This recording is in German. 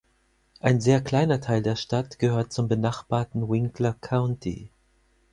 Ein sehr kleiner Teil der Stadt gehört zum benachbarten Winkler County.